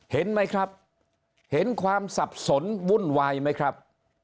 เห็นไหมครับเห็นความสับสนวุ่นวายไหมครับ